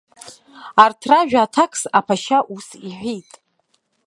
Арҭ ражәа аҭакс аԥашьа ус иҳәеит.